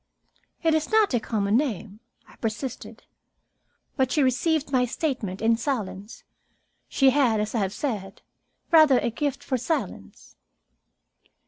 "It is not a common name," I persisted. But she received my statement in silence. She had, as I have said, rather a gift for silence.